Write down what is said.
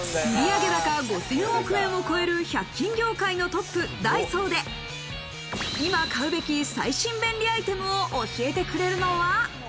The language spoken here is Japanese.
売上高５０００億円を超える１００均業界のトップ、ダイソーで、今買うべき最新便利アイテムを教えてくれるのは。